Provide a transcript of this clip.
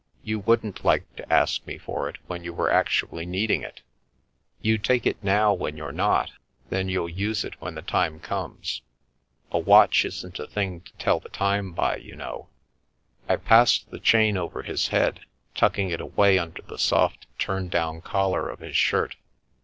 You wouldn't like to ask me for it when you were actually needing it You take it now when you're not, then you'll use it when the time comes. A watch isn't a thing to tell the time by, you know." I passed the chain over his head, tucking it away under the soft turn down collar of his shirt.